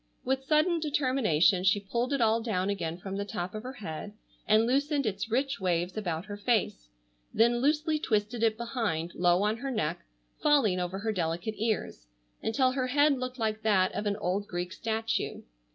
With sudden determination she pulled it all down again from the top of her head and loosened its rich waves about her face, then loosely twisted it behind, low on her neck, falling over her delicate ears, until her head looked like that of an old Greek statue.